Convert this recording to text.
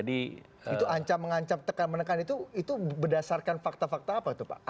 itu ancam mengancam tekan menekan itu berdasarkan fakta fakta apa itu pak